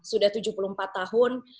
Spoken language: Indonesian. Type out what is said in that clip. sudah tujuh puluh empat tahun